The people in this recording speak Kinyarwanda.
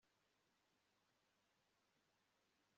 hahirwa uwo uhoraho akosora